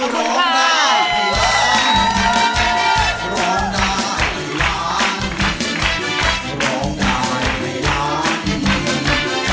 ร้องได้ให้ล้านร้องได้ให้ล้าน